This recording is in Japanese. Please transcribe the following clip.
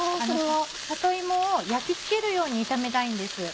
里芋を焼き付けるように炒めたいんです。